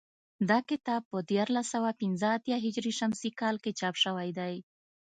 دا کتاب په دیارلس سوه پنځه اتیا هجري شمسي کال کې چاپ شوی دی